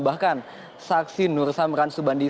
bahkan saksi nur samran subandi